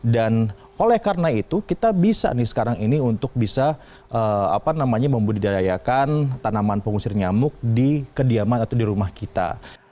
dan oleh karena itu kita bisa sekarang ini untuk bisa membudidayakan tanaman pengusir nyamuk di kediaman atau di rumah kita